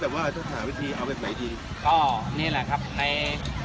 ครึ่งทางถึงเจอตอนนะครับจะช่วยน้องได้ยังไง